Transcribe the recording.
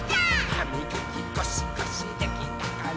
「はみがきゴシゴシできたかな？」